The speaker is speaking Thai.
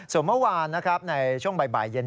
ส่วนเมื่อวานนะครับในช่วงบ่ายเย็น